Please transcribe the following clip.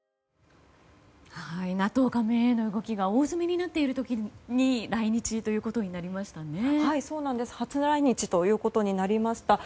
ＮＡＴＯ加盟への動きが大詰めになっている時に来日ということになりましたね。